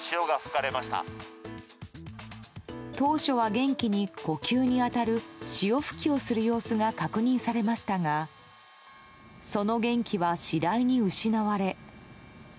当初は、元気に呼吸に当たる潮吹きをする様子が確認されましたがその元気は次第に失われ。